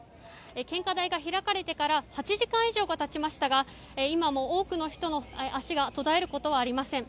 献花台が開かれてから８時間以上が経ちましたが今も多くの人の足が途絶えることはありません。